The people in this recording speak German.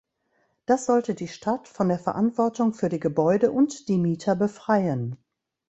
Das sollte die Stadt von der Verantwortung für die Gebäude und die Mieter befreien.